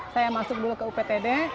saya masuk dulu ke uptd